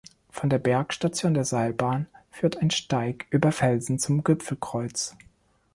Von der Bergstation der Seilbahn führt ein Steig über Felsen zum Gipfelkreuz.